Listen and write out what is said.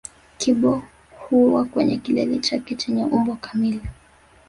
Kibo huwa kwenye kilele chake chenye umbo kamili